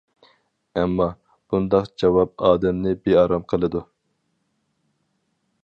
ئەمما، بۇنداق جاۋاب ئادەمنى بىئارام قىلىدۇ.